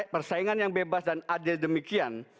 persaingan yang bebas dan adil demikian